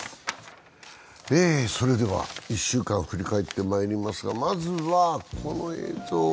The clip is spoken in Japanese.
１週間を振り返ってまいりますが、まずはこの映像。